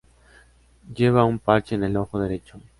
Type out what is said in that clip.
Lleva un parche en el ojo derecho.